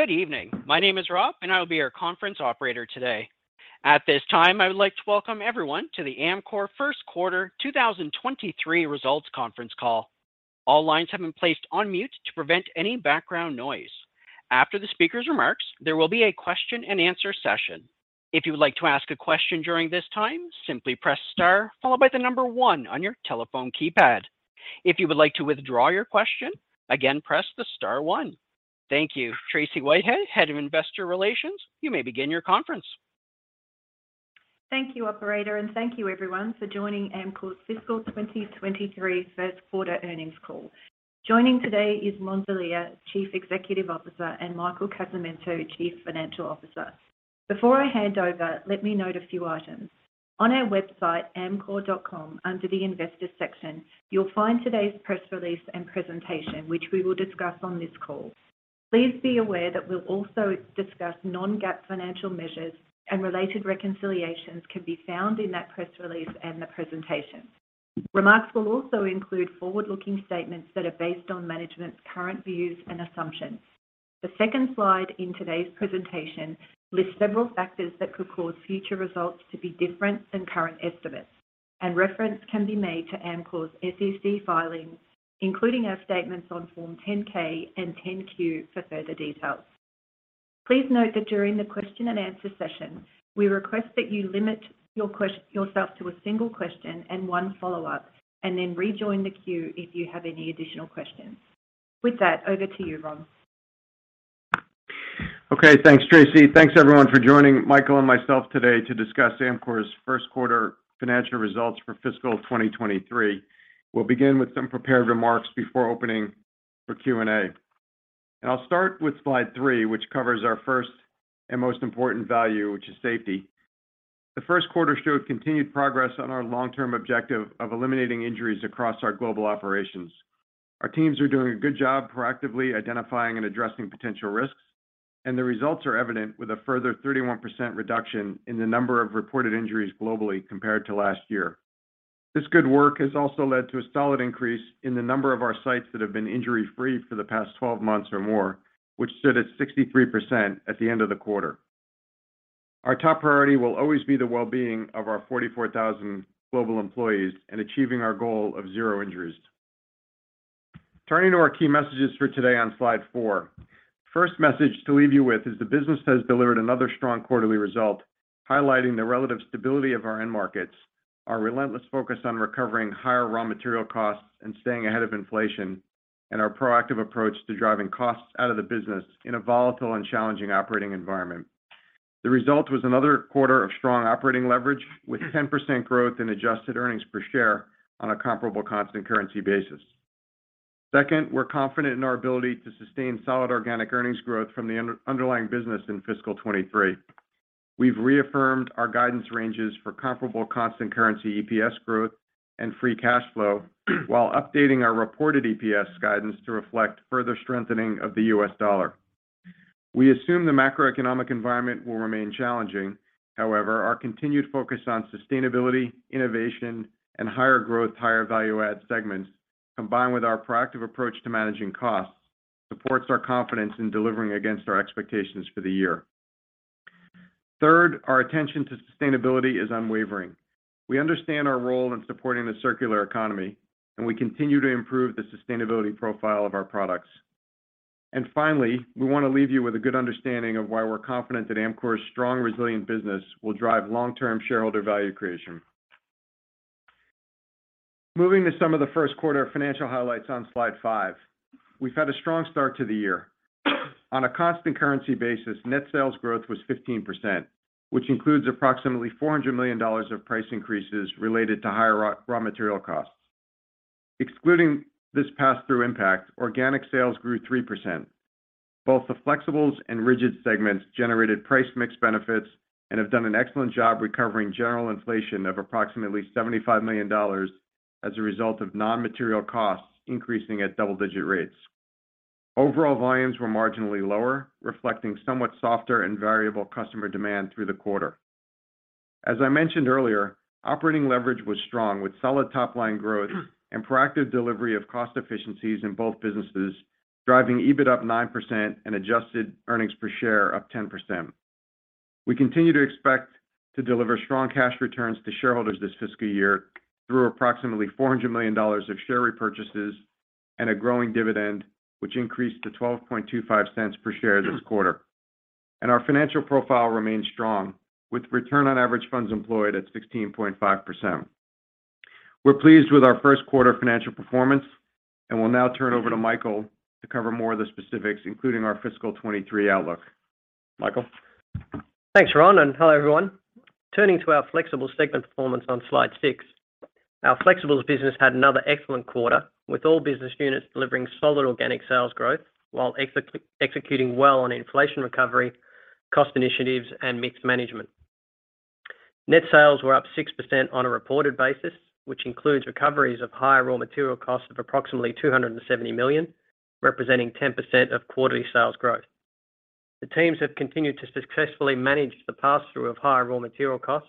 Good evening. My name is Rob, and I will be your conference operator today. At this time, I would like to welcome everyone to the Amcor First Quarter 2023 Results conference call. All lines have been placed on mute to prevent any background noise. After the speaker's remarks, there will be a question-and-answer session. If you would like to ask a question during this time, simply press star followed by the number one on your telephone keypad. If you would like to withdraw your question, again, press the star one. Thank you. Tracey Whitehead, Head of Investor Relations, you may begin your conference. Thank you, operator, and thank you everyone for joining Amcor's Fiscal 2023 First Quarter earnings call. Joining today is Ron Delia, Chief Executive Officer, and Michael Casamento, Chief Financial Officer. Before I hand over, let me note a few items. On our website, amcor.com, under the Investors section, you'll find today's press release and presentation, which we will discuss on this call. Please be aware that we'll also discuss non-GAAP financial measures, and related reconciliations can be found in that press release and the presentation. Remarks will also include forward-looking statements that are based on management's current views and assumptions. The second slide in today's presentation lists several factors that could cause future results to be different than current estimates, and reference can be made to Amcor's SEC filings, including our statements on Form 10-K and 10-Q for further details. Please note that during the question-and-answer session, we request that you limit yourself to a single question and one follow-up, and then rejoin the queue if you have any additional questions. With that, over to you, Ron. Okay. Thanks, Tracy. Thanks, everyone, for joining Michael and myself today to discuss Amcor's First Quarter Financial Results for fiscal 2023. We'll begin with some prepared remarks before opening for Q&A. I'll start with slide 3, which covers our first and most important value, which is safety. The first quarter showed continued progress on our long-term objective of eliminating injuries across our global operations. Our teams are doing a good job proactively identifying and addressing potential risks, and the results are evident with a further 31% reduction in the number of reported injuries globally compared to last year. This good work has also led to a solid increase in the number of our sites that have been injury-free for the past 12 months or more, which stood at 63% at the end of the quarter. Our top priority will always be the well-being of our 44,000 global employees in achieving our goal of zero injuries. Turning to our key messages for today on slide 4. First message to leave you with is the business has delivered another strong quarterly result, highlighting the relative stability of our end markets, our relentless focus on recovering higher raw material costs and staying ahead of inflation, and our proactive approach to driving costs out of the business in a volatile and challenging operating environment. The result was another quarter of strong operating leverage with 10% growth in adjusted earnings per share on a comparable constant currency basis. Second, we're confident in our ability to sustain solid organic earnings growth from the underlying business in fiscal 2023. We've reaffirmed our guidance ranges for comparable constant currency EPS growth and free cash flow while updating our reported EPS guidance to reflect further strengthening of the U.S. dollar. We assume the macroeconomic environment will remain challenging. However, our continued focus on sustainability, innovation, and higher growth, higher value add segments, combined with our proactive approach to managing costs, supports our confidence in delivering against our expectations for the year. Third, our attention to sustainability is unwavering. We understand our role in supporting the circular economy, and we continue to improve the sustainability profile of our products. Finally, we wanna leave you with a good understanding of why we're confident that Amcor's strong, resilient business will drive long-term shareholder value creation. Moving to some of the first quarter financial highlights on slide 5. We've had a strong start to the year. On a constant currency basis, net sales growth was 15%, which includes approximately $400 million of price increases related to higher raw material costs. Excluding this pass-through impact, organic sales grew 3%. Both the Flexibles and Rigid segments generated price mix benefits and have done an excellent job recovering general inflation of approximately $75 million as a result of non-material costs increasing at double-digit rates. Overall volumes were marginally lower, reflecting somewhat softer and variable customer demand through the quarter. As I mentioned earlier, operating leverage was strong with solid top line growth and proactive delivery of cost efficiencies in both businesses, driving EBIT up 9% and adjusted earnings per share up 10%. We continue to expect to deliver strong cash returns to shareholders this fiscal year through approximately $400 million of share repurchases and a growing dividend, which increased to $0.1225 per share this quarter. Our financial profile remains strong with return on average funds employed at 16.5%. We're pleased with our first quarter financial performance, and we'll now turn over to Michael to cover more of the specifics, including our fiscal 2023 outlook. Michael. Thanks, Ron, and hello, everyone. Turning to our Flexibles segment performance on slide 6. Our Flexibles business had another excellent quarter with all business units delivering solid organic sales growth while executing well on inflation recovery, cost initiatives, and mix management. Net sales were up 6% on a reported basis, which includes recoveries of higher raw material costs of approximately $270 million, representing 10% of quarterly sales growth. The teams have continued to successfully manage the pass-through of higher raw material costs,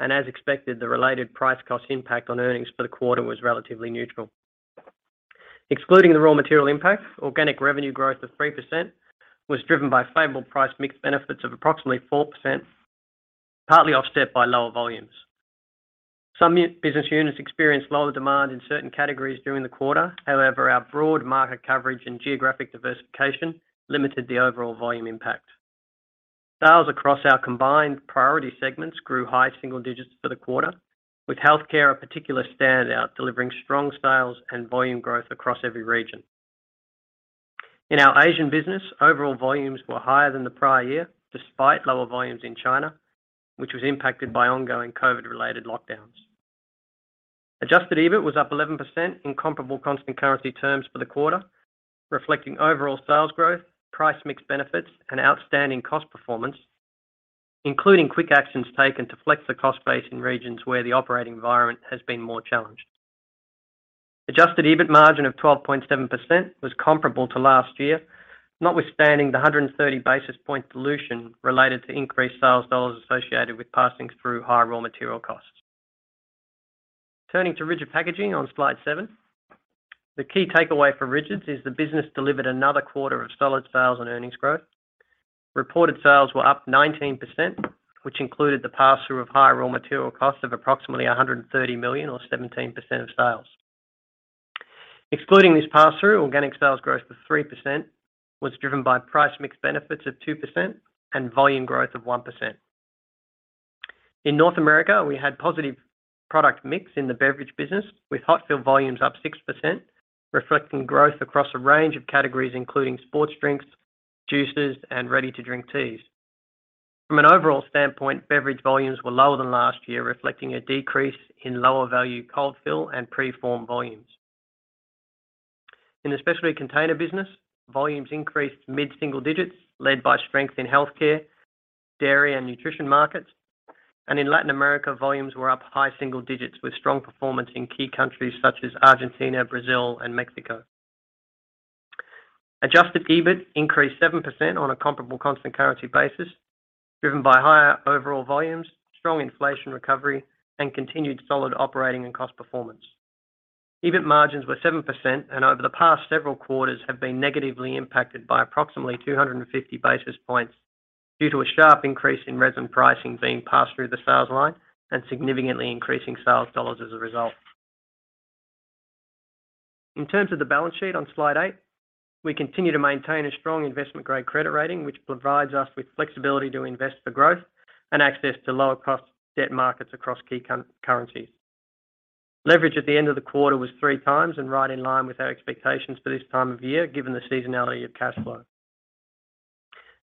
and as expected, the related price cost impact on earnings for the quarter was relatively neutral. Excluding the raw material impact, organic revenue growth of 3% was driven by favorable price mix benefits of approximately 4%, partly offset by lower volumes. Some business units experienced lower demand in certain categories during the quarter. However, our broad market coverage and geographic diversification limited the overall volume impact. Sales across our combined priority segments grew high single digits for the quarter, with healthcare a particular standout, delivering strong sales and volume growth across every region. In our Asian business, overall volumes were higher than the prior year, despite lower volumes in China, which was impacted by ongoing COVID related lockdowns. Adjusted EBIT was up 11% in comparable constant currency terms for the quarter, reflecting overall sales growth, price mix benefits and outstanding cost performance, including quick actions taken to flex the cost base in regions where the operating environment has been more challenged. Adjusted EBIT margin of 12.7% was comparable to last year, notwithstanding the 130 basis points dilution related to increased sales dollars associated with passing through higher raw material costs. Turning to rigid packaging on slide 7. The key takeaway for rigids is the business delivered another quarter of solid sales and earnings growth. Reported sales were up 19%, which included the pass-through of higher raw material costs of approximately $130 million or 17% of sales. Excluding this pass-through, organic sales growth of 3% was driven by price mix benefits of 2% and volume growth of 1%. In North America, we had positive product mix in the beverage business, with hot fill volumes up 6%, reflecting growth across a range of categories including sports drinks, juices and ready-to-drink teas. From an overall standpoint, beverage volumes were lower than last year, reflecting a decrease in lower value cold fill and pre-form volumes. In the specialty container business, volumes increased mid-single digits, led by strength in healthcare, dairy and nutrition markets. In Latin America, volumes were up high single digits with strong performance in key countries such as Argentina, Brazil and Mexico. Adjusted EBIT increased 7% on a comparable constant currency basis, driven by higher overall volumes, strong inflation recovery and continued solid operating and cost performance. EBIT margins were 7% and over the past several quarters have been negatively impacted by approximately 250 basis points due to a sharp increase in resin pricing being passed through the sales line and significantly increasing sales dollars as a result. In terms of the balance sheet on slide 8, we continue to maintain a strong investment-grade credit rating, which provides us with flexibility to invest for growth and access to lower cost debt markets across key currencies. Leverage at the end of the quarter was 3x and right in line with our expectations for this time of year, given the seasonality of cash flow.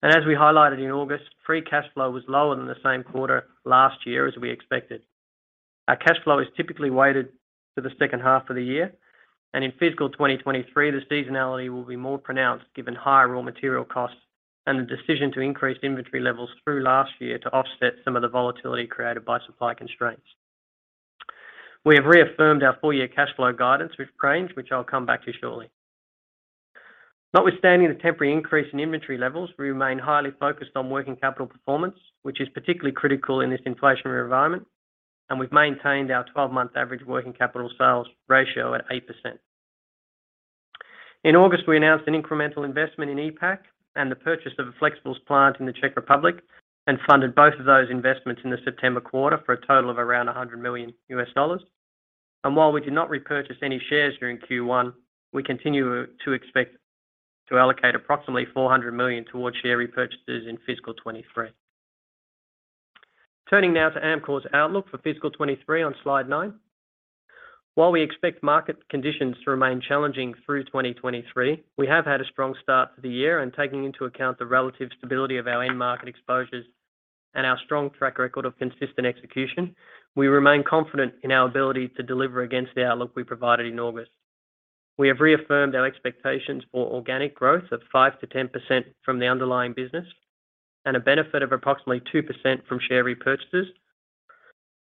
As we highlighted in August, free cash flow was lower than the same quarter last year as we expected. Our cash flow is typically weighted to the second half of the year, and in fiscal 2023, the seasonality will be more pronounced given higher raw material costs and the decision to increase inventory levels through last year to offset some of the volatility created by supply constraints. We have reaffirmed our full year cash flow guidance with range, which I'll come back to shortly. Notwithstanding the temporary increase in inventory levels, we remain highly focused on working capital performance, which is particularly critical in this inflationary environment, and we've maintained our 12-month average working capital sales ratio at 8%. In August, we announced an incremental investment in ePac and the purchase of a flexibles plant in the Czech Republic and funded both of those investments in the September quarter for a total of around $100 million. While we did not repurchase any shares during Q1, we continue to expect to allocate approximately $400 million towards share repurchases in fiscal 2023. Turning now to Amcor's outlook for fiscal 2023 on slide 9. While we expect market conditions to remain challenging through 2023, we have had a strong start to the year and taking into account the relative stability of our end market exposures and our strong track record of consistent execution, we remain confident in our ability to deliver against the outlook we provided in August. We have reaffirmed our expectations for organic growth of 5%-10% from the underlying business and a benefit of approximately 2% from share repurchases,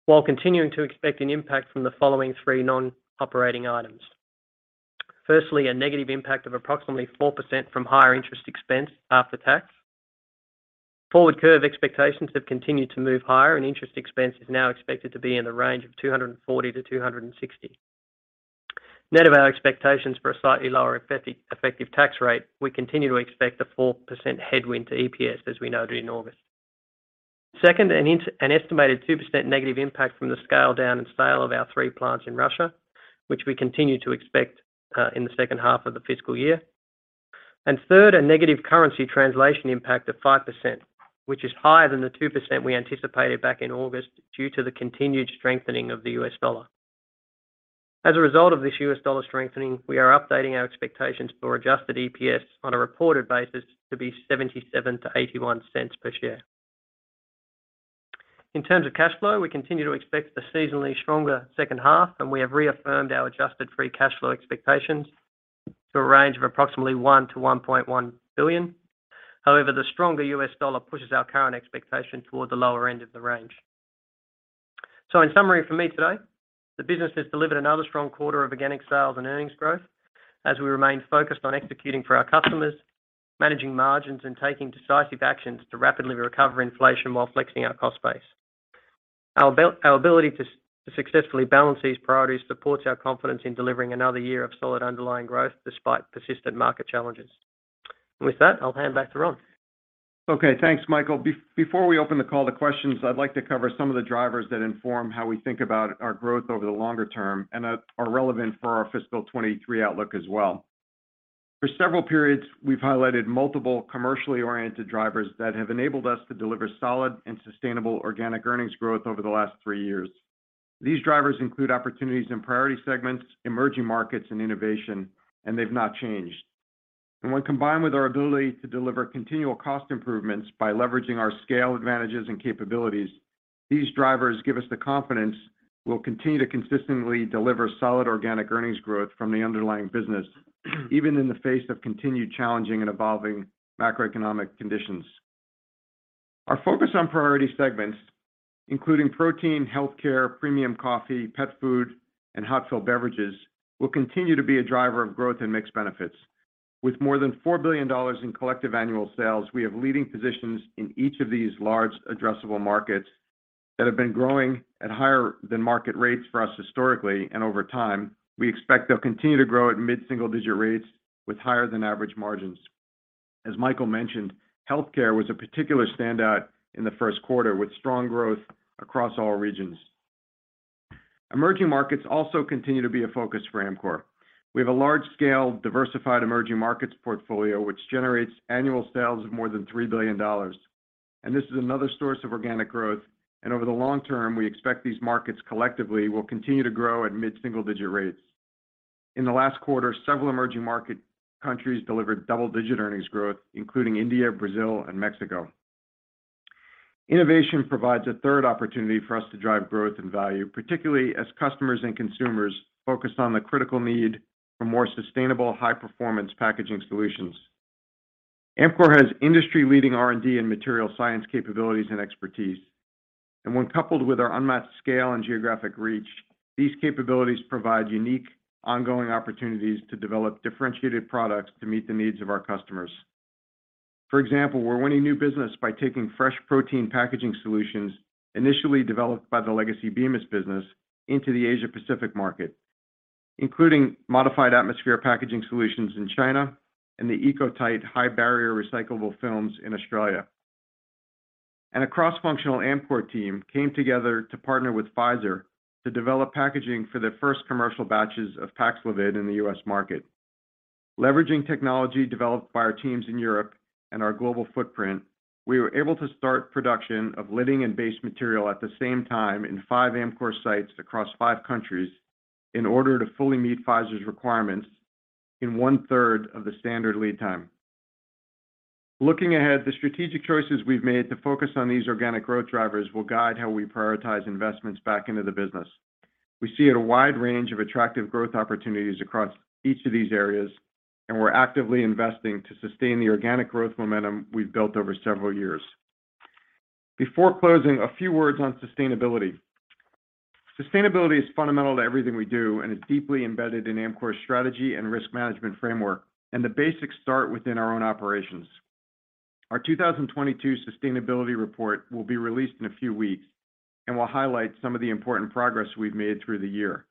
while continuing to expect an impact from the following three non-operating items. Firstly, a negative impact of approximately 4% from higher interest expense after tax. Forward curve expectations have continued to move higher and interest expense is now expected to be in the range of $240 million-$260 million. Net of our expectations for a slightly lower effective tax rate, we continue to expect a 4% headwind to EPS as we noted in August. Second, an estimated 2% negative impact from the scale down and sale of our three plants in Russia, which we continue to expect in the second half of the fiscal year. Third, a negative currency translation impact of 5%, which is higher than the 2% we anticipated back in August due to the continued strengthening of the U.S. Dollar. As a result of this U.S. dollar strengthening, we are updating our expectations for adjusted EPS on a reported basis to be $0.77-$0.81 per share. In terms of cash flow, we continue to expect the seasonally stronger second half, and we have reaffirmed our adjusted free cash flow expectations to a range of approximately $1 billion-$1.1 billion. However, the stronger U.S. dollar pushes our current expectation toward the lower end of the range. In summary for me today, the business has delivered another strong quarter of organic sales and earnings growth as we remain focused on executing for our customers, managing margins, and taking decisive actions to rapidly recover inflation while flexing our cost base. Our ability to successfully balance these priorities supports our confidence in delivering another year of solid underlying growth despite persistent market challenges. With that, I'll hand back to Ron. Okay, thanks, Michael. Before we open the call to questions, I'd like to cover some of the drivers that inform how we think about our growth over the longer term and that are relevant for our fiscal 2023 outlook as well. For several periods, we've highlighted multiple commercially oriented drivers that have enabled us to deliver solid and sustainable organic earnings growth over the last three years. These drivers include opportunities in priority segments, emerging markets, and innovation, and they've not changed. When combined with our ability to deliver continual cost improvements by leveraging our scale advantages and capabilities, these drivers give us the confidence we'll continue to consistently deliver solid organic earnings growth from the underlying business, even in the face of continued challenging and evolving macroeconomic conditions. Our focus on priority segments, including protein, healthcare, premium coffee, pet food, and hot-filled beverages, will continue to be a driver of growth and mixed benefits. With more than $4 billion in collective annual sales, we have leading positions in each of these large addressable markets that have been growing at higher than market rates for us historically and over time. We expect they'll continue to grow at mid-single digit rates with higher than average margins. As Michael mentioned, healthcare was a particular standout in the first quarter, with strong growth across all regions. Emerging markets also continue to be a focus for Amcor. We have a large-scale, diversified emerging markets portfolio, which generates annual sales of more than $3 billion. This is another source of organic growth. Over the long term, we expect these markets collectively will continue to grow at mid-single digit rates. In the last quarter, several emerging market countries delivered double-digit earnings growth, including India, Brazil, and Mexico. Innovation provides a third opportunity for us to drive growth and value, particularly as customers and consumers focus on the critical need for more sustainable, high-performance packaging solutions. Amcor has industry-leading R&D and material science capabilities and expertise. When coupled with our unmatched scale and geographic reach, these capabilities provide unique, ongoing opportunities to develop differentiated products to meet the needs of our customers. For example, we're winning new business by taking fresh protein packaging solutions initially developed by the legacy Bemis business into the Asia Pacific market, including modified atmosphere packaging solutions in China and the Eco-Tite R high barrier recyclable films in Australia. A cross-functional Amcor team came together to partner with Pfizer to develop packaging for the first commercial batches of Paxlovid in the U.S. market. Leveraging technology developed by our teams in Europe and our global footprint, we were able to start production of lidding and base material at the same time in five Amcor sites across five countries in order to fully meet Pfizer's requirements in one-third of the standard lead time. Looking ahead, the strategic choices we've made to focus on these organic growth drivers will guide how we prioritize investments back into the business. We see a wide range of attractive growth opportunities across each of these areas, and we're actively investing to sustain the organic growth momentum we've built over several years. Before closing, a few words on sustainability. Sustainability is fundamental to everything we do and is deeply embedded in Amcor's strategy and risk management framework, and the basics start within our own operations. Our 2022 sustainability report will be released in a few weeks and will highlight some of the important progress we've made through the year.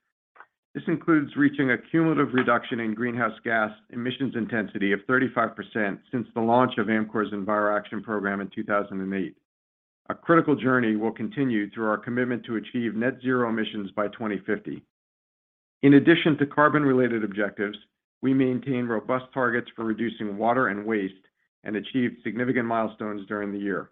This includes reaching a cumulative reduction in greenhouse gas emissions intensity of 35% since the launch of Amcor's EnviroAction program in 2008. A critical journey will continue through our commitment to achieve net zero emissions by 2050. In addition to carbon-related objectives, we maintain robust targets for reducing water and waste and achieved significant milestones during the year.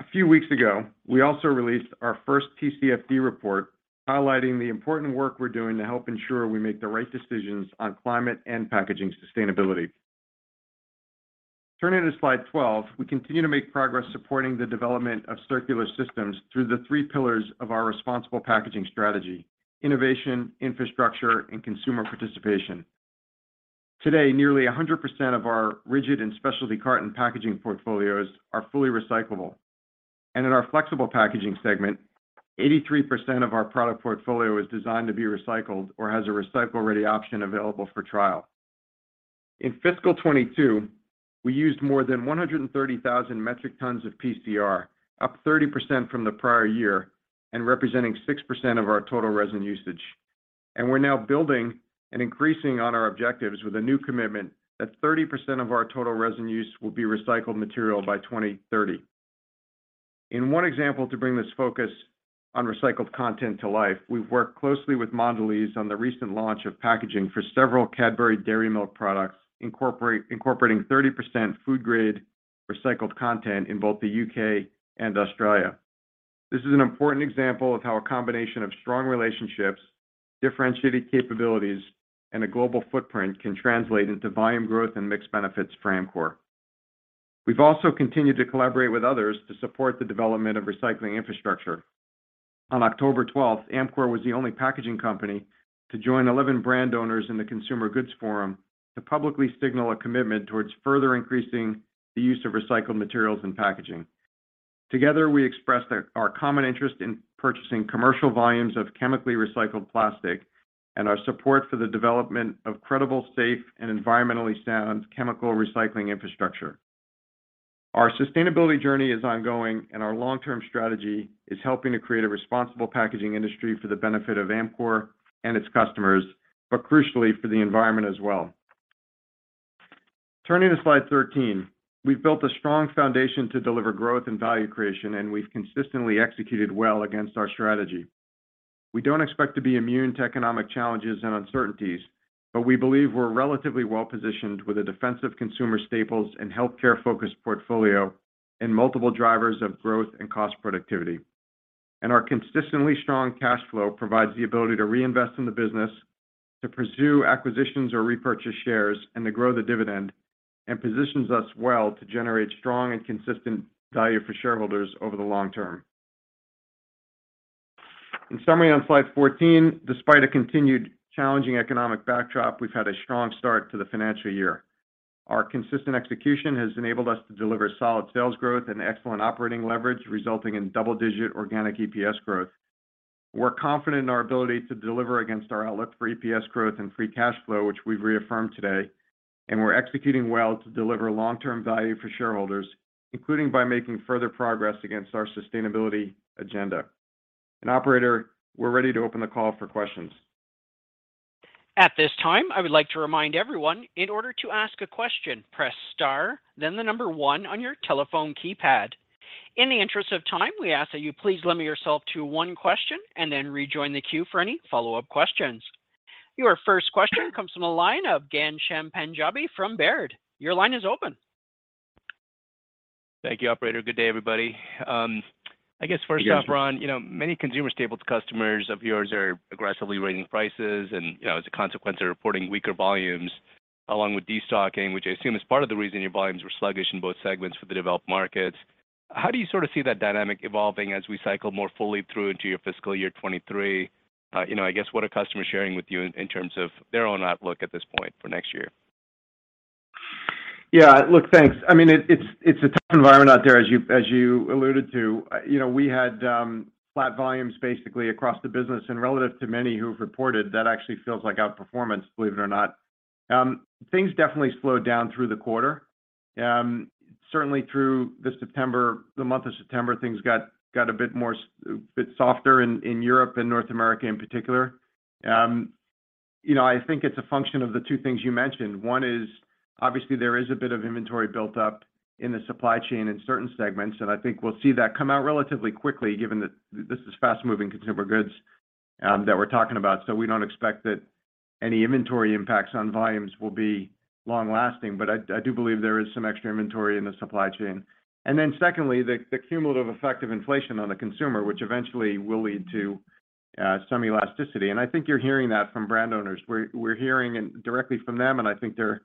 A few weeks ago, we also released our first TCFD report, highlighting the important work we're doing to help ensure we make the right decisions on climate and packaging sustainability. Turning to slide 12, we continue to make progress supporting the development of circular systems through the three pillars of our responsible packaging strategy, innovation, infrastructure, and consumer participation. Today, nearly 100% of our rigid and specialty carton packaging portfolios are fully recyclable. In our flexible packaging segment, 83% of our product portfolio is designed to be recycled or has a recycle-ready option available for trial. In FY22, we used more than 130,000 metric tons of PCR, up 30% from the prior year and representing 6% of our total resin usage. We're now building and increasing on our objectives with a new commitment that 30% of our total resin use will be recycled material by 2030. In one example to bring this focus on recycled content to life, we've worked closely with Mondelēz on the recent launch of packaging for several Cadbury Dairy Milk products, incorporating 30% food-grade recycled content in both the U.K. and Australia. This is an important example of how a combination of strong relationships, differentiated capabilities, and a global footprint can translate into volume growth and mixed benefits for Amcor. We've also continued to collaborate with others to support the development of recycling infrastructure. On October 12th, Amcor was the only packaging company to join 11 brand owners in the Consumer Goods Forum to publicly signal a commitment towards further increasing the use of recycled materials in packaging. Together, we expressed our common interest in purchasing commercial volumes of chemically recycled plastic, and our support for the development of credible, safe, and environmentally sound chemical recycling infrastructure. Our sustainability journey is ongoing, and our long-term strategy is helping to create a responsible packaging industry for the benefit of Amcor and its customers, but crucially for the environment as well. Turning to slide 13. We've built a strong foundation to deliver growth and value creation, and we've consistently executed well against our strategy. We don't expect to be immune to economic challenges and uncertainties, but we believe we're relatively well-positioned with a defensive consumer staples and healthcare-focused portfolio and multiple drivers of growth and cost productivity. Our consistently strong cash flow provides the ability to reinvest in the business to pursue acquisitions or repurchase shares and to grow the dividend, and positions us well to generate strong and consistent value for shareholders over the long term. In summary, on slide 14, despite a continued challenging economic backdrop, we've had a strong start to the financial year. Our consistent execution has enabled us to deliver solid sales growth and excellent operating leverage, resulting in double-digit organic EPS growth. We're confident in our ability to deliver against our outlook for EPS growth and free cash flow, which we've reaffirmed today, and we're executing well to deliver long-term value for shareholders, including by making further progress against our sustainability agenda. Operator, we're ready to open the call for questions. At this time, I would like to remind everyone, in order to ask a question, press star then the number one on your telephone keypad. In the interest of time, we ask that you please limit yourself to one question and then rejoin the queue for any follow-up questions. Your first question comes from the line of Ghansham Panjabi from Baird. Your line is open. Thank you, operator. Good day, everybody. I guess first off, Ron, you know, many consumer staples customers of yours are aggressively raising prices and, you know, as a consequence, they're reporting weaker volumes along with destocking, which I assume is part of the reason your volumes were sluggish in both segments for the developed markets. How do you sort of see that dynamic evolving as we cycle more fully through into your fiscal year 2023? You know, I guess what are customers sharing with you in terms of their own outlook at this point for next year? Yeah, look, thanks. I mean, it's a tough environment out there as you alluded to. You know, we had flat volumes basically across the business. Relative to many who've reported, that actually feels like outperformance, believe it or not. Things definitely slowed down through the quarter. Certainly through this September, the month of September, things got a bit softer in Europe and North America in particular. You know, I think it's a function of the two things you mentioned. One is obviously there is a bit of inventory built up in the supply chain in certain segments, and I think we'll see that come out relatively quickly given that this is fast-moving consumer goods that we're talking about. We don't expect that any inventory impacts on volumes will be long-lasting, but I do believe there is some extra inventory in the supply chain. Then secondly, the cumulative effect of inflation on the consumer, which eventually will lead to some elasticity. I think you're hearing that from brand owners. We're hearing it directly from them, and I think they're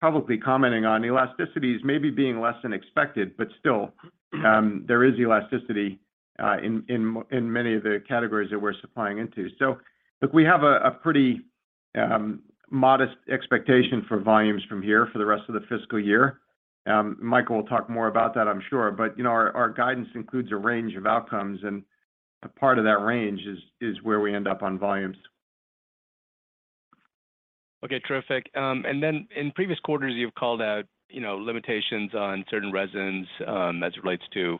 probably commenting on elasticities maybe being less than expected. Still, there is elasticity in many of the categories that we're supplying into. Look, we have a pretty modest expectation for volumes from here for the rest of the fiscal year. Michael will talk more about that, I'm sure. You know, our guidance includes a range of outcomes, and a part of that range is where we end up on volumes. Okay. Terrific. Then in previous quarters you've called out, you know, limitations on certain resins, as it relates to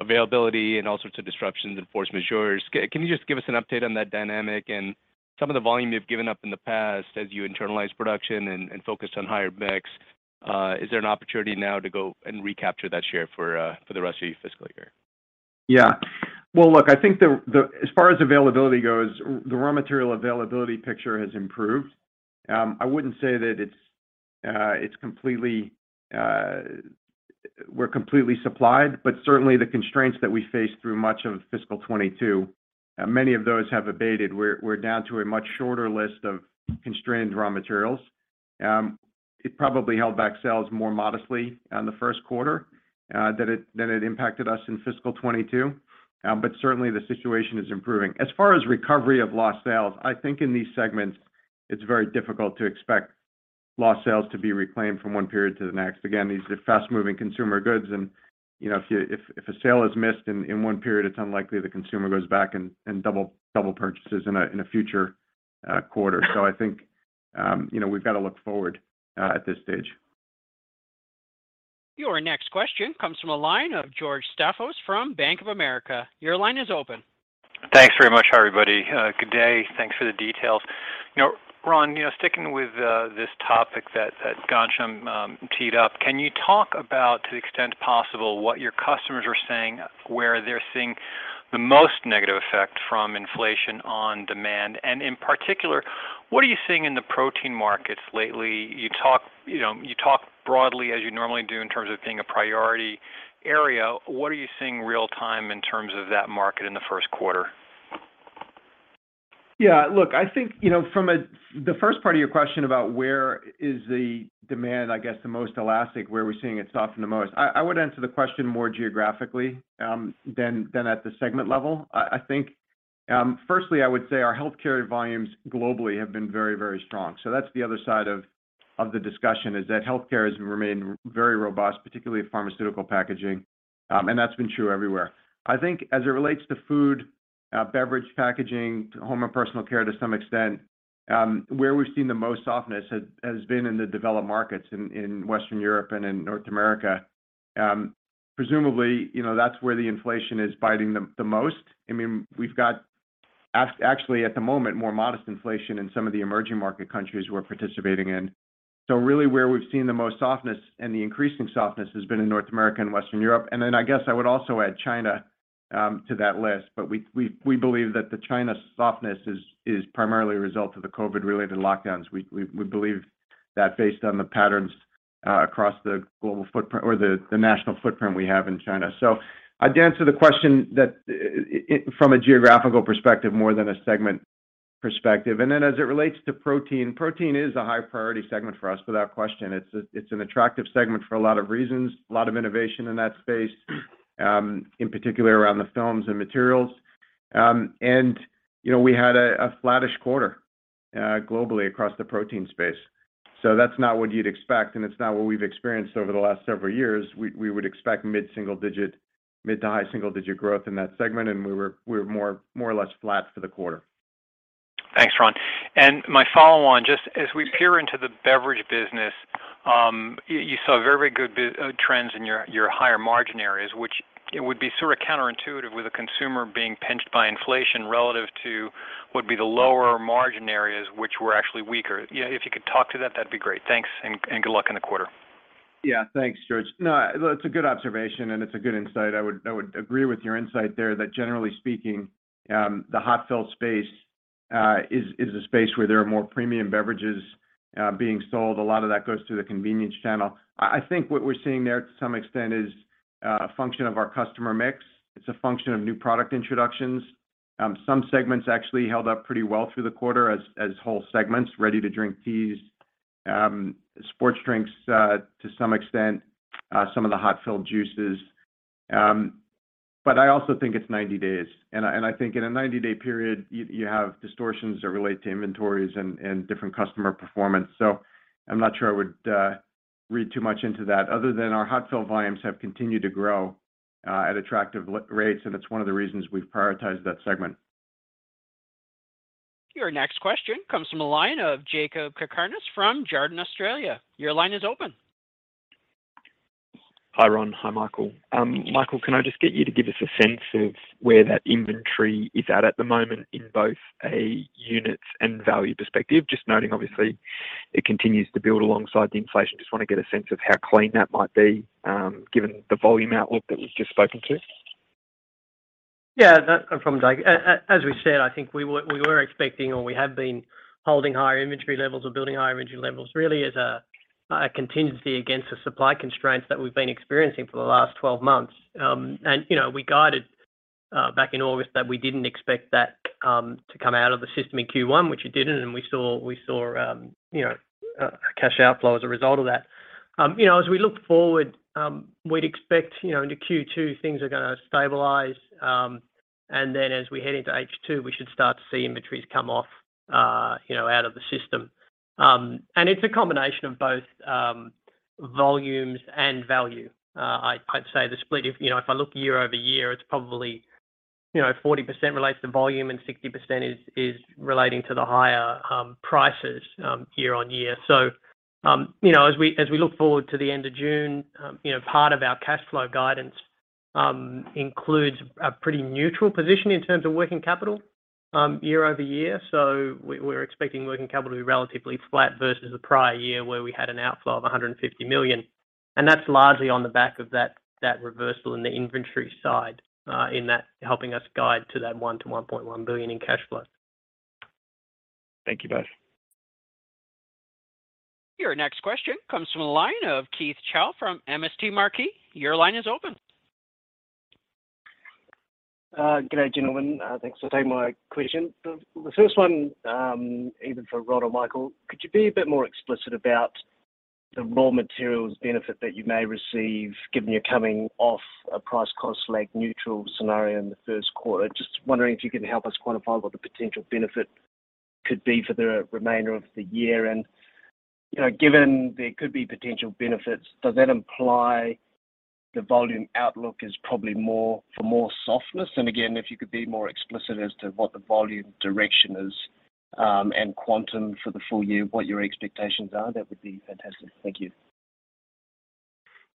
availability and all sorts of disruptions and force majeure. Can you just give us an update on that dynamic and some of the volume you've given up in the past as you internalize production and focus on higher mix? Is there an opportunity now to go and recapture that share for the rest of your fiscal year? Yeah. Well, look, I think as far as availability goes, the raw material availability picture has improved. I wouldn't say that we're completely supplied, but certainly the constraints that we faced through much of fiscal 2022, many of those have abated. We're down to a much shorter list of constrained raw materials. It probably held back sales more modestly in the first quarter than it impacted us in fiscal 2022. But certainly the situation is improving. As far as recovery of lost sales, I think in these segments it's very difficult to expect lost sales to be reclaimed from one period to the next. Again, these are fast-moving consumer goods and, you know, if a sale is missed in one period, it's unlikely the consumer goes back and double purchases in a future quarter. I think, you know, we've got to look forward at this stage. Your next question comes from the line of George Staphos from Bank of America. Your line is open. Thanks very much. Hi, everybody. Good day. Thanks for the details. You know, Ron, you know, sticking with this topic that Ghansham teed up, can you talk about, to the extent possible, what your customers are saying where they're seeing the most negative effect from inflation on demand? In particular, what are you seeing in the protein markets lately? You talk, you know, you talk broadly as you normally do in terms of it being a priority area. What are you seeing real time in terms of that market in the first quarter? Yeah. Look, I think, you know, from the first part of your question about where is the demand, I guess the most elastic, where we're seeing it soften the most, I would answer the question more geographically than at the segment level. I think, firstly, I would say our healthcare volumes globally have been very, very strong. So that's the other side of the discussion, is that healthcare has remained very robust, particularly pharmaceutical packaging. And that's been true everywhere. I think as it relates to food, beverage packaging, to home and personal care to some extent, where we've seen the most softness has been in the developed markets in Western Europe and in North America. Presumably, you know, that's where the inflation is biting the most. I mean, we've got actually, at the moment, more modest inflation in some of the emerging market countries we're participating in. Really, where we've seen the most softness and the increasing softness has been in North America and Western Europe. I guess I would also add China to that list. We believe that the China softness is primarily a result of the COVID-related lockdowns. We believe that based on the patterns across the global footprint or the national footprint we have in China. I'd answer the question from a geographical perspective more than a segment perspective. As it relates to protein, protein is a high priority segment for us without question. It's an attractive segment for a lot of reasons, a lot of innovation in that space, in particular around the films and materials. You know, we had a flattish quarter globally across the protein space. That's not what you'd expect, and it's not what we've experienced over the last several years. We would expect mid-single-digit, mid- to high-single-digit growth in that segment, and we were more or less flat for the quarter. Thanks, Ron. My follow on, just as we peer into the beverage business, you saw very good trends in your higher margin areas, which it would be sort of counterintuitive with the consumer being pinched by inflation relative to would be the lower margin areas which were actually weaker. Yeah, if you could talk to that'd be great. Thanks, and good luck in the quarter. Yeah. Thanks, George. No, it's a good observation, and it's a good insight. I would agree with your insight there that generally speaking, the hot fill space is a space where there are more premium beverages being sold. A lot of that goes to the convenience channel. I think what we're seeing there to some extent is a function of our customer mix. It's a function of new product introductions. Some segments actually held up pretty well through the quarter as whole segments, ready-to-drink teas, sports drinks, to some extent, some of the hot fill juices. I also think it's 90 days. I think in a 90-day period, you have distortions that relate to inventories and different customer performance. I'm not sure I would read too much into that other than our hot fill volumes have continued to grow at attractive rates, and it's one of the reasons we've prioritized that segment. Your next question comes from the line of Jakob Cakarnis from Jarden Australia. Your line is open. Hi, Ron. Hi, Michael. Michael, can I just get you to give us a sense of where that inventory is at the moment in both a units and value perspective? Just noting, obviously, it continues to build alongside the inflation. Just wanna get a sense of how clean that might be, given the volume outlook that we've just spoken to. Yeah, from Jake. As we said, I think we were expecting or we have been holding higher inventory levels or building higher inventory levels really as a contingency against the supply constraints that we've been experiencing for the last 12 months. You know, we guided back in August that we didn't expect that to come out of the system in Q1, which it didn't, and we saw you know a cash outflow as a result of that. You know, as we look forward, we'd expect you know into Q2, things are gonna stabilize. As we head into H2, we should start to see inventories come off you know out of the system. It's a combination of both volumes and value. I'd say the split of, you know, if I look year-over-year, it's probably, you know, 40% relates to volume and 60% is relating to the higher prices year-over-year. You know, as we look forward to the end of June, you know, part of our cash flow guidance includes a pretty neutral position in terms of working capital year-over-year. We're expecting working capital to be relatively flat versus the prior year where we had an outflow of $150 million. That's largely on the back of that reversal in the inventory side, in that helping us guide to that $1billion-$1.1 billion in cash flow. Thank you both. Your next question comes from a line of Keith Chau from MST Marquee. Your line is open. Good day, gentlemen. Thanks for taking my question. The first one, either for Ron or Michael, could you be a bit more explicit about the raw materials benefit that you may receive given you're coming off a price cost lag neutral scenario in the first quarter? Just wondering if you can help us quantify what the potential benefit could be for the remainder of the year. You know, given there could be potential benefits, does that imply the volume outlook is probably more softness? Again, if you could be more explicit as to what the volume direction is, and quantum for the full year, what your expectations are, that would be fantastic. Thank you.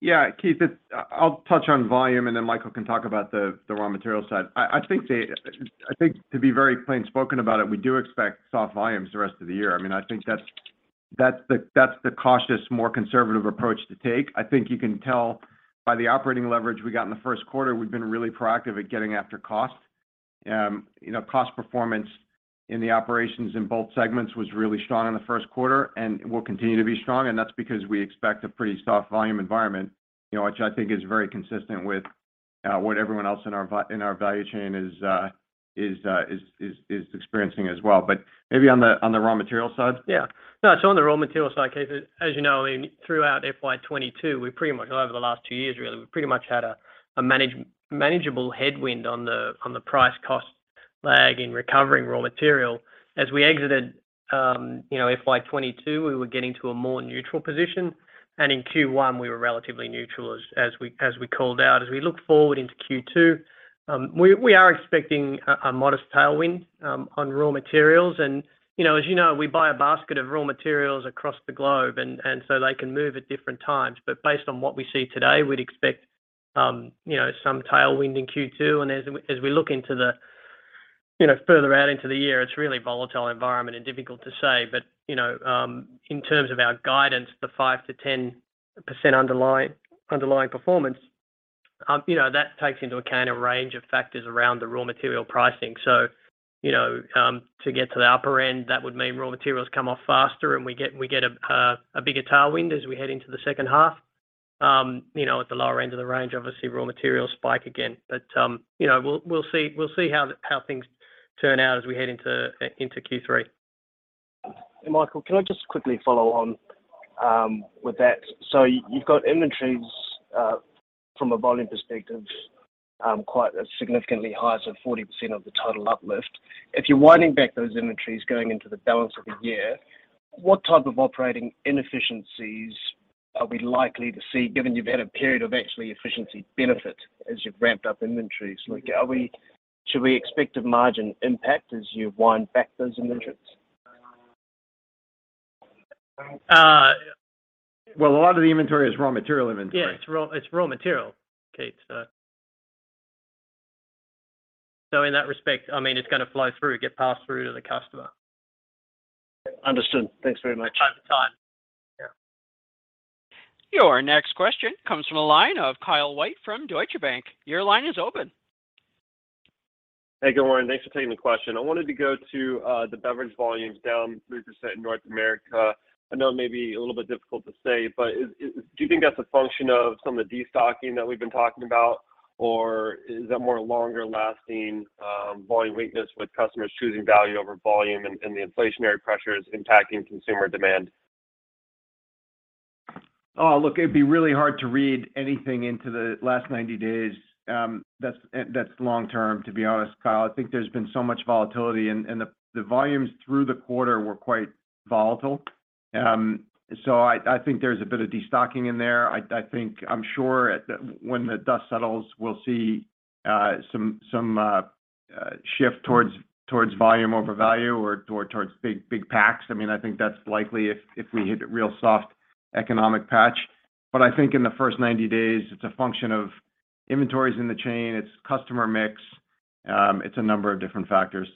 Yeah, Keith, it's. I'll touch on volume, and then Michael can talk about the raw material side.I think to be very plainspoken about it, we do expect soft volumes the rest of the year. I mean, I think that's the cautious, more conservative approach to take. I think you can tell by the operating leverage we got in the first quarter, we've been really proactive at getting after cost. You know, cost performance in the operations in both segments was really strong in the first quarter and will continue to be strong, and that's because we expect a pretty soft volume environment, you know, which I think is very consistent with what everyone else in our value chain is experiencing as well. Maybe on the raw material side. No, so on the raw material side, Keith, as you know, throughout FY2022, we pretty much over the last 2 years, really, we pretty much had a manageable headwind on the price-cost lag in recovering raw material. As we exited FY2022, we were getting to a more neutral position, and in Q1, we were relatively neutral as we called out. As we look forward into Q2, we are expecting a modest tailwind on raw materials. You know, as you know, we buy a basket of raw materials across the globe and so they can move at different times. But based on what we see today, we'd expect some tailwind in Q2. As we look into the you know further out into the year, it's a really volatile environment and difficult to say. You know in terms of our guidance, the 5%-10% underlying performance you know that takes into account a range of factors around the raw material pricing. You know to get to the upper end, that would mean raw materials come off faster, and we get a bigger tailwind as we head into the second half. You know at the lower end of the range, obviously, raw materials spike again. You know we'll see how things turn out as we head into into Q3. Michael, can I just quickly follow on with that? You've got inventories from a volume perspective quite significantly higher, so 40% of the total uplift. If you're winding back those inventories going into the balance of the year, what type of operating inefficiencies are we likely to see, given you've had a period of actually efficiency benefit as you've ramped up inventories? Like, shall we expect a margin impact as you wind back those inventories? Uh- Well, a lot of the inventory is raw material inventory. Yeah, it's raw material, Keith. In that respect, I mean, it's gonna flow through, get passed through to the customer. Understood. Thanks very much. Time to time. Yeah. Your next question comes from the line of Kyle White from Deutsche Bank. Your line is open. Hey, good morning. Thanks for taking the question. I wanted to go to the beverage volumes down 3% in North America. I know it may be a little bit difficult to say, but is, do you think that's a function of some of the destocking that we've been talking about? Or is that more longer-lasting volume weakness with customers choosing value over volume and the inflationary pressures impacting consumer demand? Oh, look, it'd be really hard to read anything into the last 90 days. That's long-term, to be honest, Kyle. I think there's been so much volatility and the volumes through the quarter were quite volatile. I think there's a bit of destocking in there. I think I'm sure when the dust settles, we'll see some shift towards volume over value or towards big packs. I mean, I think that's likely if we hit a real soft economic patch. I think in the first 90 days, it's a function of inventories in the chain, it's customer mix, it's a number of different factors.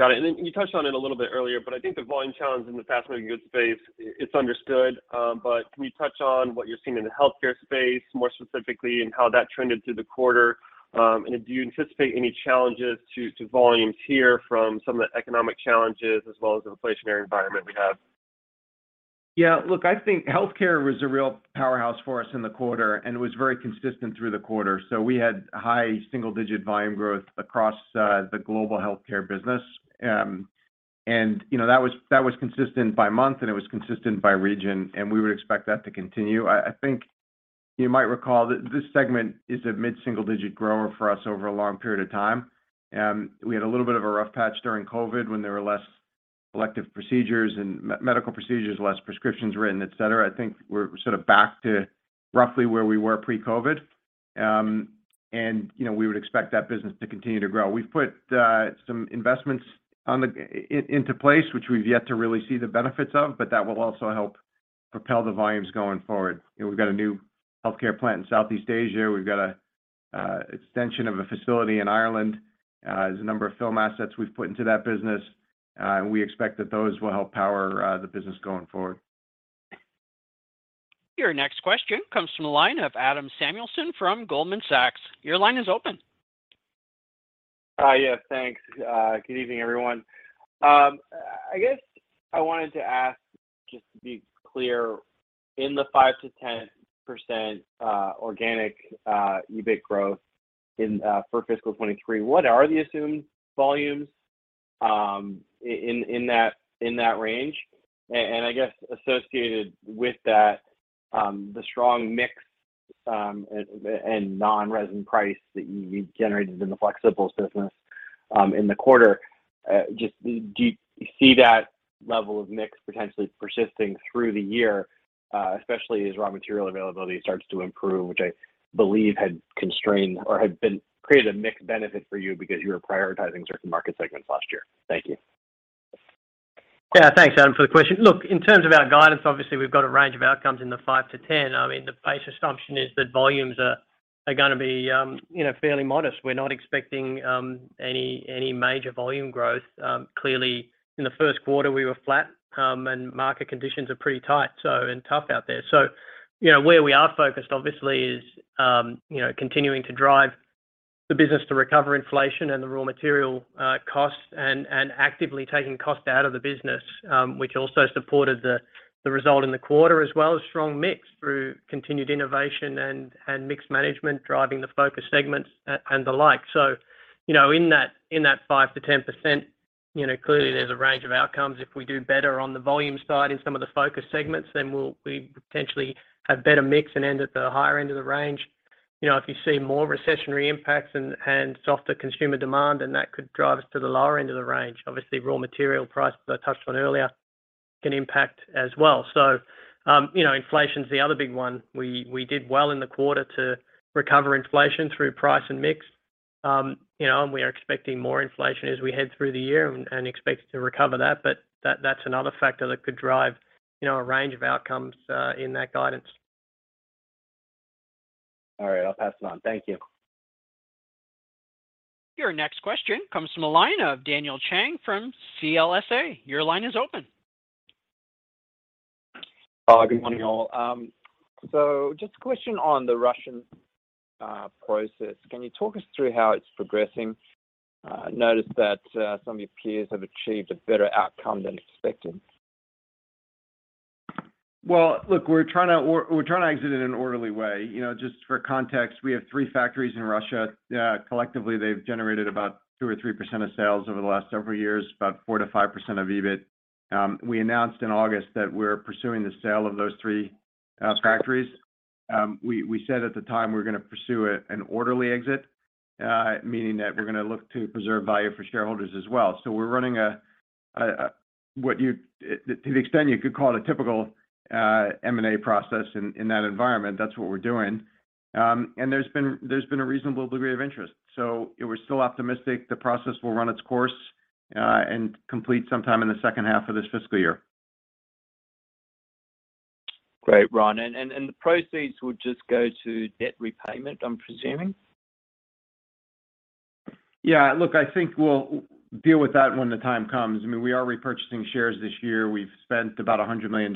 Got it. You touched on it a little bit earlier, but I think the volume challenge in the fast-moving goods space, it's understood. Can you touch on what you're seeing in the healthcare space, more specifically, and how that trended through the quarter? Do you anticipate any challenges to volumes here from some of the economic challenges as well as the inflationary environment we have? Yeah. Look, I think healthcare was a real powerhouse for us in the quarter, and it was very consistent through the quarter. We had high single-digit volume growth across the global healthcare business. You know, that was consistent by month and it was consistent by region, and we would expect that to continue. I think you might recall that this segment is a mid-single digit grower for us over a long period of time. We had a little bit of a rough patch during COVID when there were less elective procedures and medical procedures, less prescriptions written, et cetera. I think we're sort of back to roughly where we were pre-COVID. You know, we would expect that business to continue to grow. We've put some investments into place, which we've yet to really see the benefits of, but that will also help propel the volumes going forward. You know, we've got a new healthcare plant in Southeast Asia. We've got a extension of a facility in Ireland. There's a number of film assets we've put into that business, and we expect that those will help power the business going forward. Your next question comes from the line of Adam Samuelson from Goldman Sachs. Your line is open. Yeah, thanks. Good evening, everyone. I guess I wanted to ask, just to be clear, in the 5%-10% organic EBIT growth in for fiscal 2023, what are the assumed volumes in that range? I guess associated with that, the strong mix and non-resin price that you generated in the Flexibles business in the quarter, do you see that level of mix potentially persisting through the year, especially as raw material availability starts to improve, which I believe had constrained or had created a mix benefit for you because you were prioritizing certain market segments last year? Thank you. Yeah. Thanks, Adam, for the question. Look, in terms of our guidance, obviously, we've got a range of outcomes in the 5%-10%. I mean, the base assumption is that volumes are gonna be, you know, fairly modest. We're not expecting any major volume growth. Clearly, in the first quarter, we were flat, and market conditions are pretty tight, so and tough out there. You know, where we are focused, obviously, is you know, continuing to drive the business to recover inflation and the raw material costs and actively taking cost out of the business, which also supported the result in the quarter, as well as strong mix through continued innovation and mix management, driving the focus segments and the like. You know, in that 5%-10%. You know, clearly there's a range of outcomes. If we do better on the volume side in some of the focus segments, then we potentially have better mix and end at the higher end of the range. You know, if you see more recessionary impacts and softer consumer demand, then that could drive us to the lower end of the range. Obviously, raw material price that I touched on earlier can impact as well. You know, inflation's the other big one. We did well in the quarter to recover inflation through price and mix. You know, we are expecting more inflation as we head through the year and expect to recover that. That's another factor that could drive, you know, a range of outcomes in that guidance. All right. I'll pass it on. Thank you. Your next question comes from the line of Daniel Kang from CLSA. Your line is open. Hi, good morning, y'all. Just a question on the Russian process. Can you talk us through how it's progressing? Noticed that some of your peers have achieved a better outcome than expected. Well, look, we're trying to exit in an orderly way. You know, just for context, we have three factories in Russia. Collectively, they've generated about 2%-3% of sales over the last several years, about 4%-5% of EBIT. We announced in August that we're pursuing the sale of those three factories. We said at the time we're gonna pursue an orderly exit, meaning that we're gonna look to preserve value for shareholders as well. We're running a, what you'd, to the extent you could call a typical M&A process in that environment. That's what we're doing. There's been a reasonable degree of interest. We're still optimistic the process will run its course and complete sometime in the second half of this fiscal year. Great, Ron. The proceeds will just go to debt repayment, I'm presuming? Yeah. Look, I think we'll deal with that when the time comes. I mean, we are repurchasing shares this year. We've spent about $100 million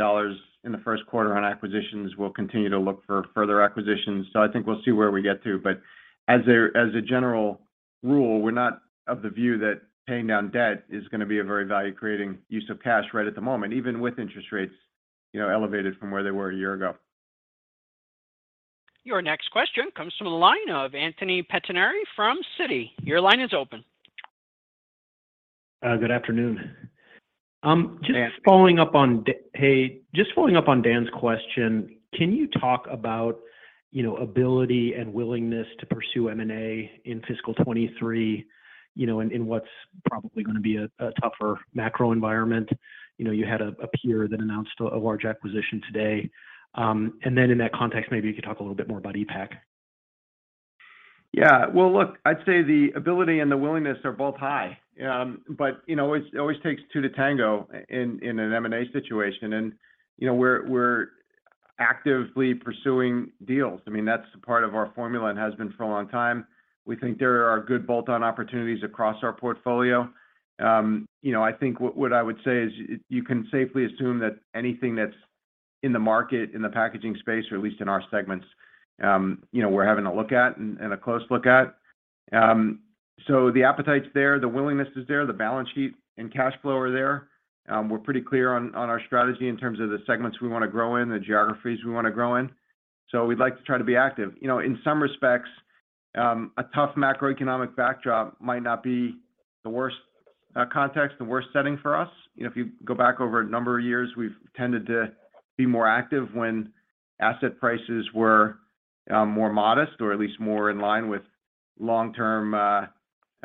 in the first quarter on acquisitions. We'll continue to look for further acquisitions. I think we'll see where we get to. As a general rule, we're not of the view that paying down debt is gonna be a very value-creating use of cash right at the moment, even with interest rates, you know, elevated from where they were a year ago. Your next question comes from a line of Anthony Pettinari from Citi. Your line is open. Good afternoon. Just following up on Dan's question, can you talk about, you know, ability and willingness to pursue M&A in fiscal 2023, you know, in what's probably gonna be a tougher macro environment? You know, you had a peer that announced a large acquisition today. In that context, maybe you could talk a little bit more about ePac. Yeah. Well, look, I'd say the ability and the willingness are both high. You know, it always takes two to tango in an M&A situation. You know, we're actively pursuing deals. I mean, that's part of our formula and has been for a long time. We think there are good bolt-on opportunities across our portfolio. You know, I think what I would say is you can safely assume that anything that's in the market, in the packaging space or at least in our segments, you know, we're having a look at and a close look at. The appetite's there, the willingness is there, the balance sheet and cash flow are there. We're pretty clear on our strategy in terms of the segments we wanna grow in, the geographies we wanna grow in. We'd like to try to be active. You know, in some respects, a tough macroeconomic backdrop might not be the worst context, the worst setting for us.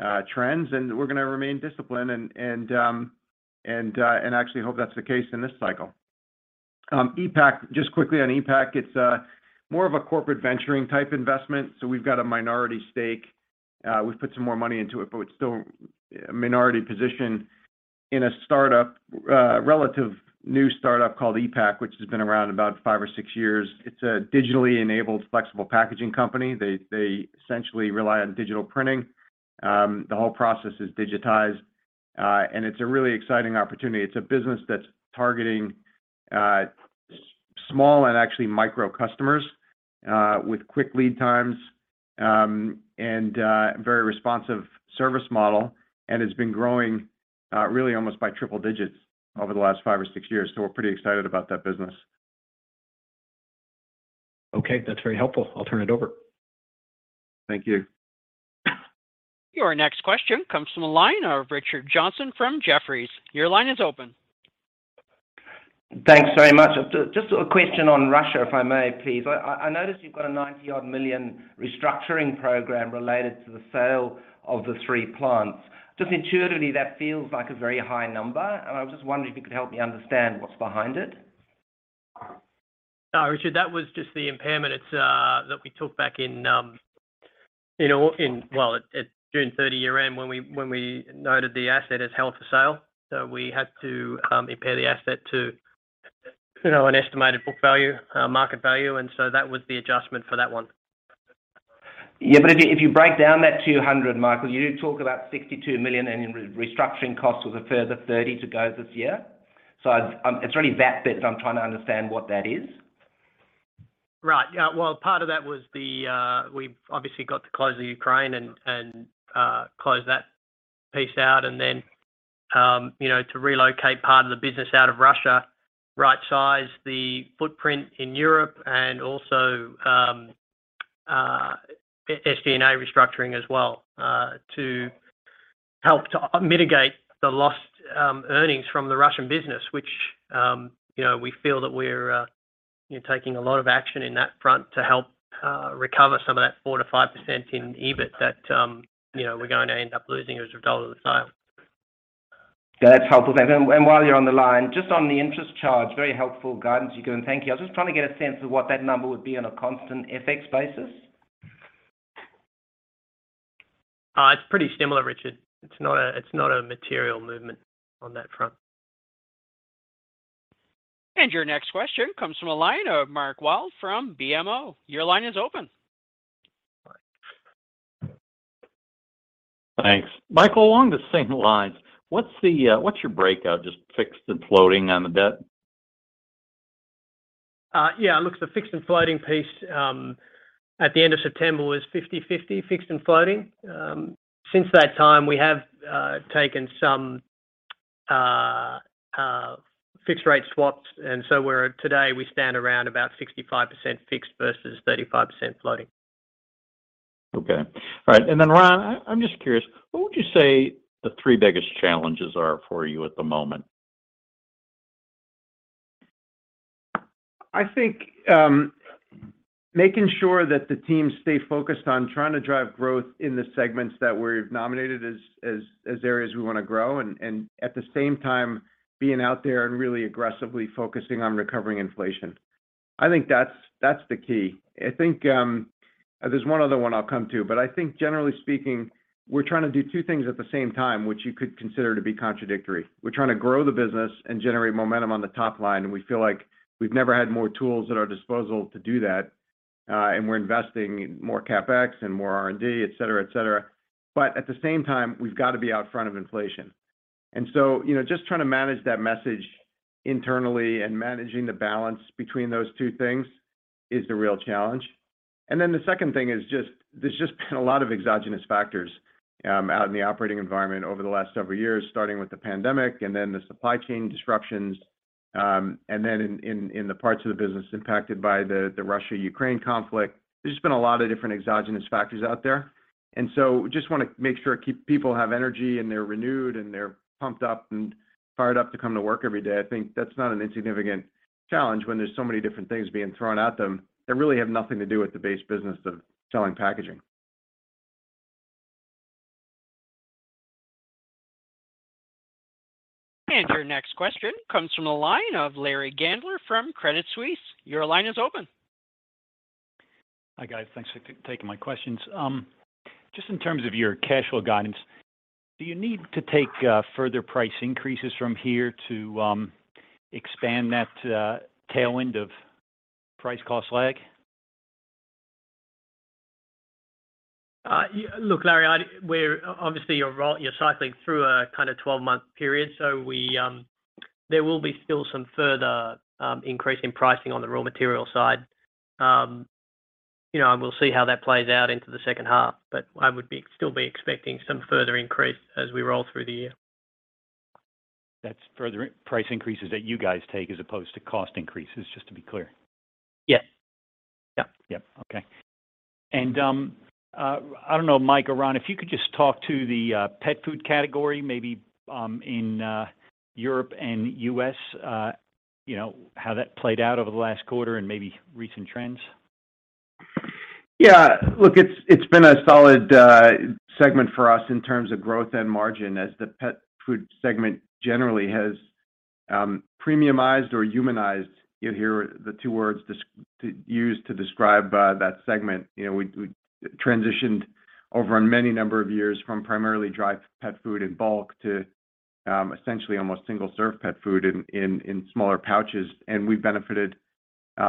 You know, if you go back over a number of years, we've tended to be more active when asset prices were more modest, or at least more in line with long-term trends. We're gonna remain disciplined and actually hope that's the case in this cycle. ePac, just quickly on ePac, it's more of a corporate venturing type investment, so we've got a minority stake. We've put some more money into it, but we're still a minority position in a startup, relatively new startup called ePac, which has been around about five or six years. It's a digitally enabled flexible packaging company. They essentially rely on digital printing. The whole process is digitized. It's a really exciting opportunity. It's a business that's targeting small and actually micro customers with quick lead times and very responsive service model. It's been growing really almost by triple digits over the last five or six years. We're pretty excited about that business. Okay, that's very helpful. I'll turn it over. Thank you. Your next question comes from a line of Richard Johnson from Jefferies. Your line is open. Thanks very much. Just a question on Russia, if I may, please. I notice you've got a $90-odd million restructuring program related to the sale of the three plants. Just intuitively, that feels like a very high number. I was just wondering if you could help me understand what's behind it? Richard, that was just the impairment. It's that we took back in, you know in, well, at June 30 year-end when we noted the asset as held for sale. We had to impair the asset to, you know, an estimated book value, market value, and so that was the adjustment for that one. If you break down that $200 million, Michael, you talk about $62 million and in restructuring costs was a further $30 million to go this year. It's really that bit that I'm trying to understand what that is. Right. Yeah. Well, part of that was that we've obviously got to close the Ukraine and close that piece out and then, you know, to relocate part of the business out of Russia, right-size the footprint in Europe and also, SG&A restructuring as well, to help to mitigate the lost earnings from the Russian business, which, you know, we feel that we're taking a lot of action in that front to help recover some of that 4%-5% in EBIT that, you know, we're going to end up losing as a result of the sale. That's helpful. While you're on the line, just on the interest charge, very helpful guidance you're giving. Thank you. I'm just trying to get a sense of what that number would be on a constant FX basis. It's pretty similar, Richard. It's not a material movement on that front. Your next question comes from a line of Mark Wilde from BMO. Your line is open. Thanks. Michael, along the same lines, what's your breakout, just fixed and floating on the debt? Yeah. Look, the fixed and floating piece at the end of September was 50/50 fixed and floating. Since that time, we have taken some fixed rate swaps. Today, we stand around about 65% fixed versus 35% floating. Okay. All right. Ron, I'm just curious, what would you say the three biggest challenges are for you at the moment? I think making sure that the team stay focused on trying to drive growth in the segments that we've nominated as areas we wanna grow, and at the same time, being out there and really aggressively focusing on recovering inflation. I think that's the key. I think there's one other one I'll come to, but I think generally speaking, we're trying to do two things at the same time, which you could consider to be contradictory. We're trying to grow the business and generate momentum on the top line, and we feel like we've never had more tools at our disposal to do that. We're investing more CapEx and more R&D, et cetera, et cetera. At the same time, we've got to be out front of inflation. You know, just trying to manage that message internally and managing the balance between those two things is the real challenge. The second thing is just, there's just been a lot of exogenous factors out in the operating environment over the last several years, starting with the pandemic and then the supply chain disruptions, and then in the parts of the business impacted by the Russia-Ukraine conflict. There's just been a lot of different exogenous factors out there. Just wanna make sure keep people have energy, and they're renewed, and they're pumped up and fired up to come to work every day. I think that's not an insignificant challenge when there's so many different things being thrown at them that really have nothing to do with the base business of selling packaging. Your next question comes from the line of Larry Gandler from Credit Suisse. Your line is open. Hi, guys. Thanks for taking my questions. Just in terms of your cash flow guidance, do you need to take further price increases from here to expand that tailwind of price cost lag? Look, Larry, obviously you're right, you're cycling through a kind of twelve-month period, so there will be still some further increase in pricing on the raw material side. You know, we'll see how that plays out into the second half, but I would still be expecting some further increase as we roll through the year. That's further price increases that you guys take as opposed to cost increases, just to be clear. Yes. Yeah. Yeah. Okay. I don't know, Mike or Ron, if you could just talk to the pet food category, maybe in Europe and U.S., you know, how that played out over the last quarter and maybe recent trends? Yeah. Look, it's been a solid segment for us in terms of growth and margin as the pet food segment generally has premiumized or humanized. You'll hear the two words used to describe that segment. You know, we transitioned over in many number of years from primarily dry pet food in bulk to essentially almost single-serve pet food in smaller pouches. We've benefited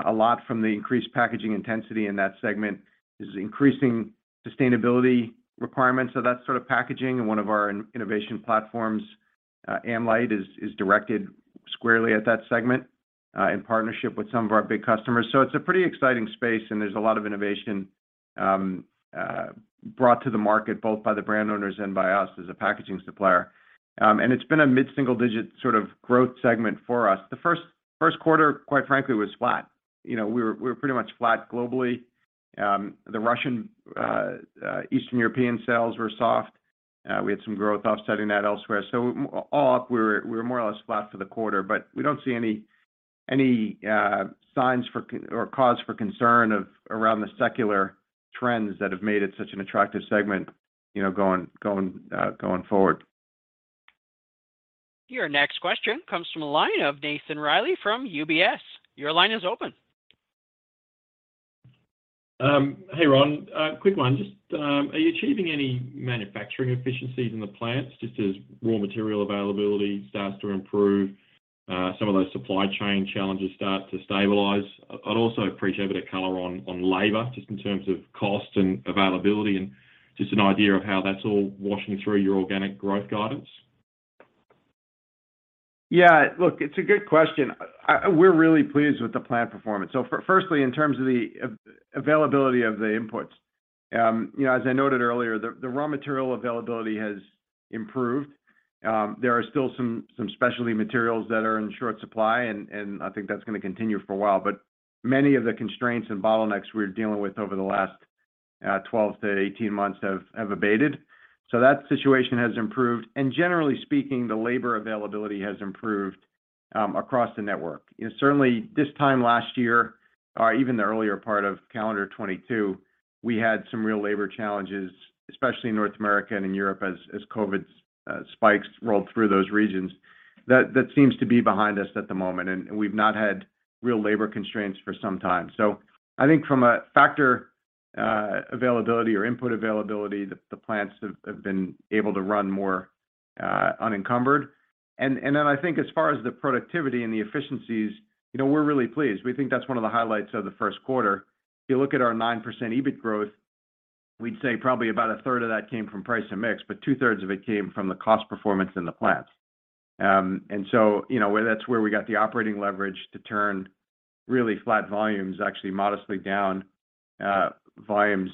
a lot from the increased packaging intensity in that segment. There's increasing sustainability requirements of that sort of packaging, and one of our innovation platforms, AmLite is directed squarely at that segment in partnership with some of our big customers. It's a pretty exciting space, and there's a lot of innovation brought to the market, both by the brand owners and by us as a packaging supplier. It's been a mid-single digit sort of growth segment for us. The first quarter, quite frankly, was flat. You know, we were pretty much flat globally. The Russian and Eastern European sales were soft. We had some growth offsetting that elsewhere. All up, we were more or less flat for the quarter, but we don't see any signs or cause for concern around the secular trends that have made it such an attractive segment, you know, going forward. Your next question comes from a line of Nathan Reilly from UBS. Your line is open. Hey, Ron. A quick one. Just, are you achieving any manufacturing efficiencies in the plants just as raw material availability starts to improve, some of those supply chain challenges start to stabilize? I'd also appreciate a bit of color on labor, just in terms of cost and availability, and just an idea of how that's all washing through your organic growth guidance. Yeah. Look, it's a good question. We're really pleased with the plant performance. Firstly, in terms of the availability of the inputs. You know, as I noted earlier, the raw material availability has improved. There are still some specialty materials that are in short supply, and I think that's gonna continue for a while. Many of the constraints and bottlenecks we're dealing with over the last 12months-18 months have abated. That situation has improved. Generally speaking, the labor availability has improved across the network. You know, certainly this time last year, or even the earlier part of calendar 2022, we had some real labor challenges, especially in North America and in Europe as COVID spikes rolled through those regions. That seems to be behind us at the moment, and we've not had real labor constraints for some time. I think from a factor availability or input availability, the plants have been able to run more unencumbered. I think as far as the productivity and the efficiencies, you know, we're really pleased. We think that's one of the highlights of the first quarter. If you look at our 9% EBIT growth, we'd say probably about a third of that came from price and mix, but two-thirds of it came from the cost performance in the plants. You know, that's where we got the operating leverage to turn really flat volumes, actually modestly down volumes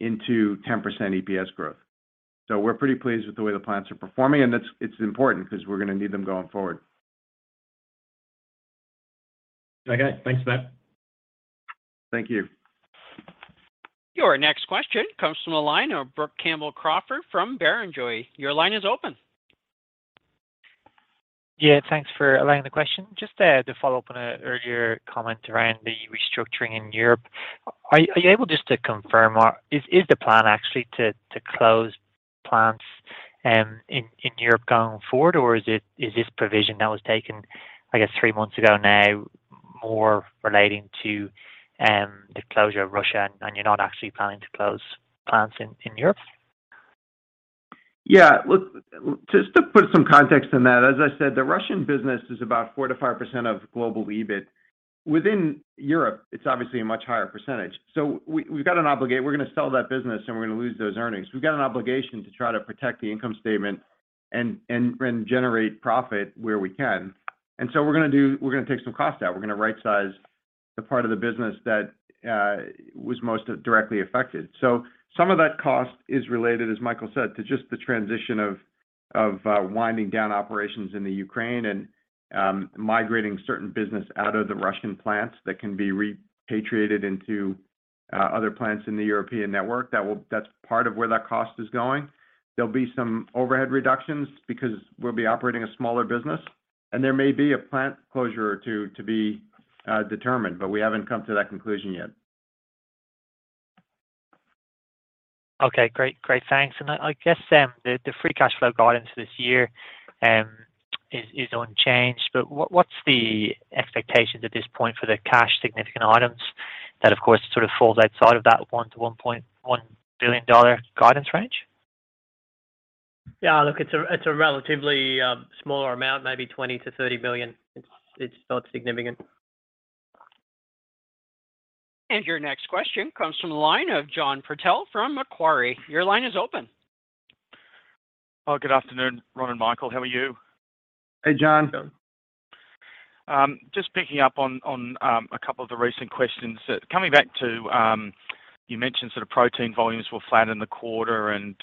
into 10% EPS growth. We're pretty pleased with the way the plants are performing, and it's important 'cause we're gonna need them going forward. Okay. Thanks for that. Thank you. Your next question comes from the line of Brook Campbell-Crawford from Barrenjoey. Your line is open. Yeah, thanks for allowing the question. Just to follow up on an earlier comment around the restructuring in Europe. Are you able just to confirm or is the plan actually to close plants in Europe going forward, or is it, is this provision that was taken, I guess, three months ago now more relating to the closure of Russia and you're not actually planning to close plants in Europe? Yeah. Look, just to put some context on that, as I said, the Russian business is about 4%-5% of global EBIT. Within Europe, it's obviously a much higher percentage. We’re gonna sell that business and we’re gonna lose those earnings. We’ve got an obligation to try to protect the income statement and generate profit where we can. We’re gonna take some costs out. We’re gonna rightsize the part of the business that was most directly affected. Some of that cost is related, as Michael said, to just the transition of winding down operations in Ukraine and migrating certain business out of the Russian plants that can be repatriated into other plants in the European network. That's part of where that cost is going. There'll be some overhead reductions because we'll be operating a smaller business, and there may be a plant closure or two to be determined, but we haven't come to that conclusion yet. Okay, great. Great. Thanks. I guess the free cash flow guidance this year is unchanged, but what's the expectations at this point for the cash and significant items that, of course, sort of falls outside of that $1billion-$1.1 billion guidance range? Yeah, look, it's a relatively smaller amount, maybe $20 million-$30 million. It's not significant. Your next question comes from the line of John Purtell from Macquarie. Your line is open. Oh, good afternoon, Ron and Michael, how are you? Hey, John. Just picking up on a couple of the recent questions. Coming back to, you mentioned sort of protein volumes were flat in the quarter and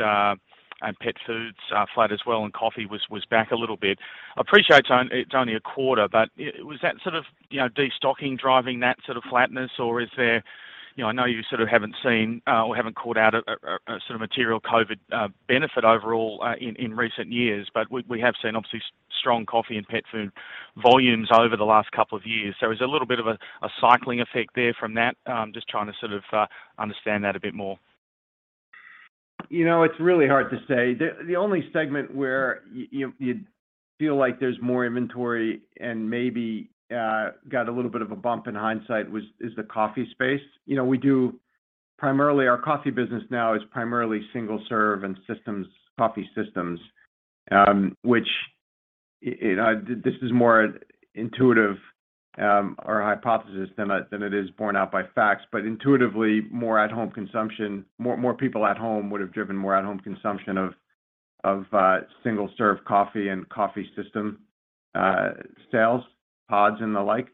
pet foods are flat as well, and coffee was back a little bit. I appreciate it's only a quarter, but it was that sort of, you know, destocking driving that sort of flatness or is there. You know, I know you sort of haven't seen or haven't called out a sort of material COVID benefit overall in recent years, but we have seen obviously strong coffee and pet food volumes over the last couple of years. Is there a little bit of a cycling effect there from that? Just trying to sort of understand that a bit more. You know, it's really hard to say. The only segment where you feel like there's more inventory and maybe got a little bit of a bump in hindsight is the coffee space. You know, primarily, our coffee business now is primarily single-serve and systems, coffee systems, which you know, this is more intuitive or a hypothesis than it is borne out by facts. Intuitively, more at home consumption, more people at home would have driven more at home consumption of single-serve coffee and coffee system sales, pods and the like.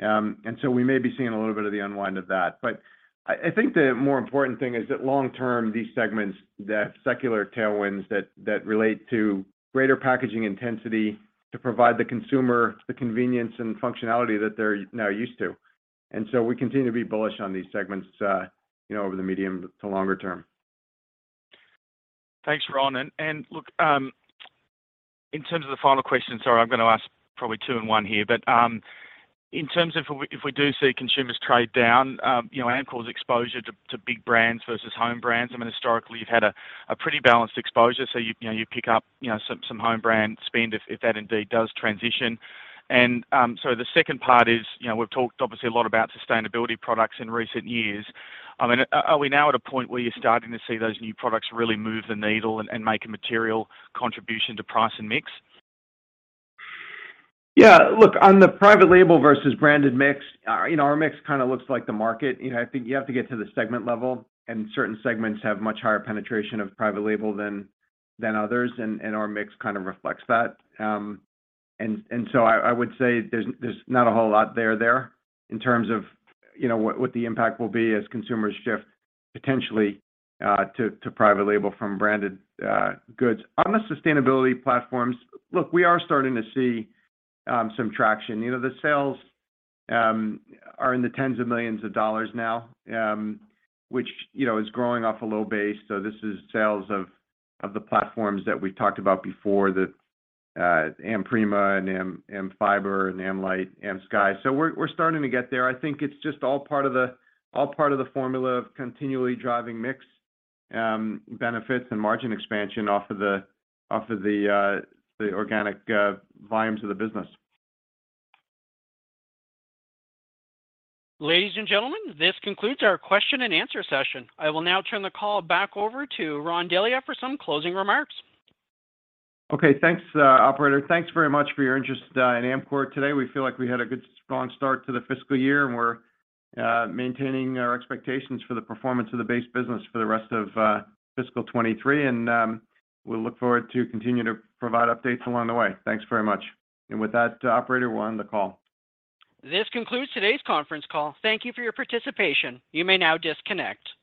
We may be seeing a little bit of the unwind of that. I think the more important thing is that long term, these segments, the secular tailwinds that relate to greater packaging intensity to provide the consumer the convenience and functionality that they're now used to. We continue to be bullish on these segments, you know, over the medium to longer term. Thanks, Ron. Look, in terms of the final question, sorry, I'm gonna ask probably two in one here, but in terms of if we do see consumers trade down, you know, Amcor's exposure to big brands versus home brands, I mean, historically, you've had a pretty balanced exposure. So you know you pick up you know some home brand spend if that indeed does transition. So the second part is, you know, we've talked obviously a lot about sustainability products in recent years. I mean, are we now at a point where you're starting to see those new products really move the needle and make a material contribution to price and mix? Yeah. Look, on the private label versus branded mix, you know, our mix kinda looks like the market. You know, I think you have to get to the segment level, and certain segments have much higher penetration of private label than others, and our mix kind of reflects that. I would say there's not a whole lot there in terms of, you know, what the impact will be as consumers shift potentially to private label from branded goods. On the sustainability platforms, look, we are starting to see some traction. You know, the sales are in the tens of millions of dollars now, which, you know, is growing off a low base. This is sales of the platforms that we talked about before, the AmPrima and AmFiber and AmLite, AmSky. We're starting to get there. I think it's just all part of the formula of continually driving mix benefits and margin expansion off of the organic volumes of the business. Ladies and gentlemen, this concludes our question and answer session. I will now turn the call back over to Ron Delia for some closing remarks. Okay, thanks, operator. Thanks very much for your interest in Amcor today. We feel like we had a good strong start to the fiscal year, and we're maintaining our expectations for the performance of the base business for the rest of fiscal 2023. We look forward to continue to provide updates along the way. Thanks very much. With that, operator, we'll end the call. This concludes today's conference call. Thank you for your participation. You may now disconnect.